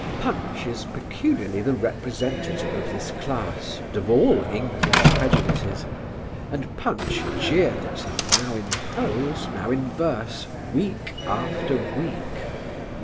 Punch is peculiarly the representative of this class and of all English prejudices, and Punch jeered at him now in prose, now in verse, week after week.